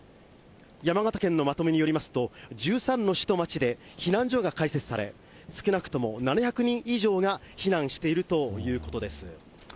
山形県のまとめによりますと、１３の市と町で、避難所が開設され、少なくとも７００人以上が避難しているということです。